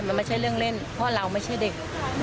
มันไม่ใช่เรื่องเล่นเพราะเราไม่ใช่เด็ก